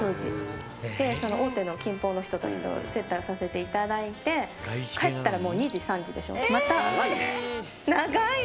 大手の銀行の人たちと接待をさせていただいて帰ったら、もう２時、３時でしょ。